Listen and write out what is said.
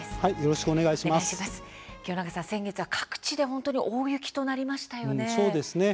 清永さん先月は各地で大雪となりましたね。